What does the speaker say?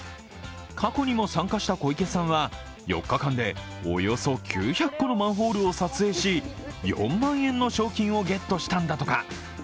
過去にも参加した小池さんは４日間でおよそ９００個のマンホールを撮影し、４万円の賞金をゲットしたんだとか。